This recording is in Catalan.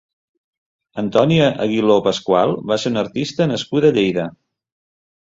Antònia Aguiló Pascual va ser una artista nascuda a Lleida.